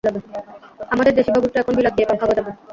আমাদের দেশিবাবুর তো এখন বিলাত গিয়ে পাঙ্খা গজাবে!